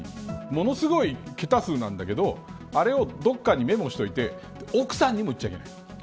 もうすごい桁数なんだけどあれをどこかにメモしておいて奥さんにも言っちゃいけない。